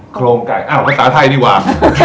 โครงไก่อ้าวภาษาไทยดีกว่า